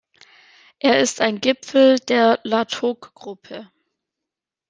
Er ist ein Gipfel der Latok-Gruppe.